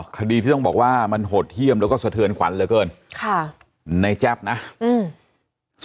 คดีที่ต้องบอกว่ามันโหดเยี่ยมแล้วก็สะเทือนขวัญเหลือเกินค่ะในแจ๊บนะอืม